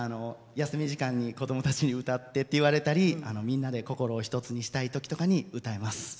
休み時間に子供たちに「歌って」って言われたりみんなで、心を一つにしたいときとかに歌います。